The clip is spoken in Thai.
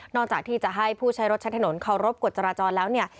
จากที่จะให้ผู้ใช้รถใช้ถนนเคารพกฎจราจรแล้วเนี่ย